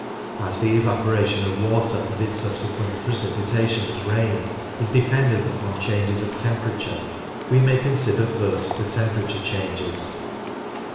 As the evaporation of water and its subsequent pre cipitation as rain is dependent upon changes of tempera ture, we may consider first the temperature changes.